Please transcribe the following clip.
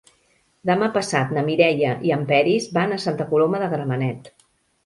Demà passat na Mireia i en Peris van a Santa Coloma de Gramenet.